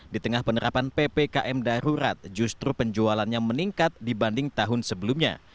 di tengah penerapan ppkm darurat justru penjualannya meningkat dibanding tahun sebelumnya